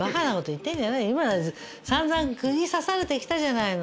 今さんざん釘刺されてきたじゃないの。